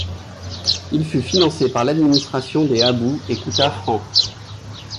Il fut financé par l'administration des habous et coûta francs.